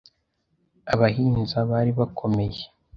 Abahinza bari bakomeye